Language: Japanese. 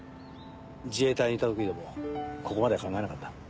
自衛隊にいた時でもここまでは考えなかった。